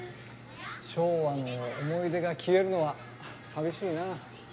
昭和の思い出が消えるのは寂しいな。